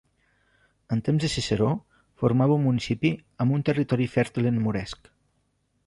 En temps de Ciceró formava un municipi amb un territori fèrtil en moresc.